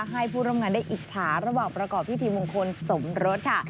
ให้ผู้ร่วมงานได้อิจฉาระหว่างประกอบพิธีมงคลสมรสค่ะ